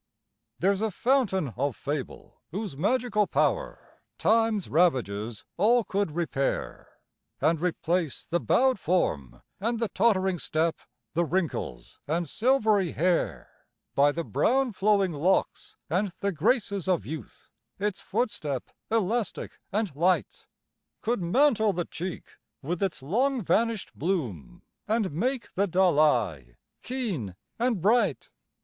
There's a fountain of Fable whose magical power Time's ravages all could repair, And replace the bowed form and the tottering step, The wrinkles and silvery hair, By the brown flowing locks and the graces of youth, Its footstep elastic and light, Could mantle the cheek with its long vanished bloom And make the dull eye keen and bright.